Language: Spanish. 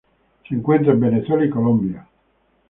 Se encuentra en Venezuela y Colombia.